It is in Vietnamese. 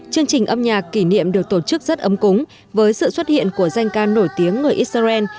chương trình âm nhạc kỷ niệm được tổ chức rất ấm cúng với sự xuất hiện của danh ca nổi tiếng người israel